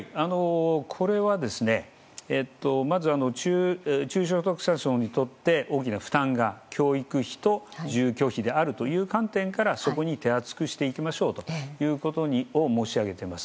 これは、まずは中所得者層に大きな負担が教育費と住居費であるという観点からそこに手厚くしていきましょうということを申し上げています。